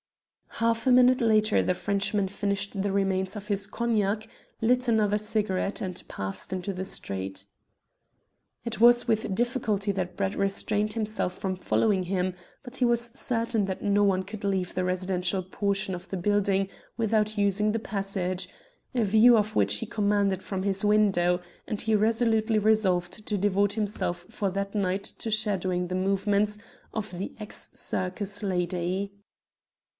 Half a minute later the Frenchman finished the remains of his cognac, lit another cigarette, and passed into the street. It was with difficulty that Brett restrained himself from following him, but he was certain that no one could leave the residential portion of the building without using the passage a view of which he commanded from his window and he resolutely resolved to devote himself for that night to shadowing the movements of the ex circus lady.